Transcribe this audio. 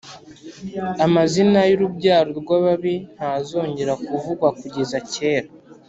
Amazina y’urubyaro rw’ababi ntazongera kuvugwa kugeza kera